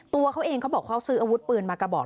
ตัวเขาเองเขาบอกเขาซื้ออาวุธปืนมากระบอก